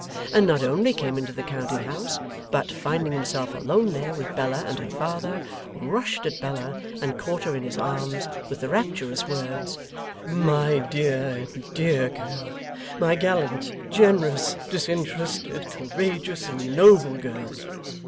And not only came into the counting house, but, finding himself alone there with Bella and her father, rushed at Bella and caught her in his arms, with the rapturous words 'My dear, dear girl; my gallant, generous, disinterested, courageous, noble girl!